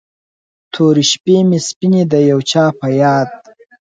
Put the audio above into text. تورې شپې مې سپینې د یو چا په یاد